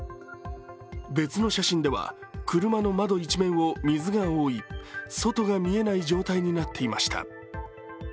別の写真では、車の窓一面を水が覆い、外が見えない状態になっていました。